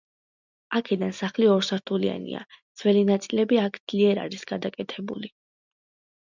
აქედან სახლი ორსართულიანია, ძველი ნაწილები აქ ძლიერ არის გადაკეთებული.